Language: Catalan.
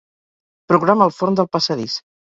Programa el forn del passadís.